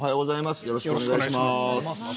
よろしくお願いします。